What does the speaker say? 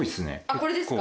これですか？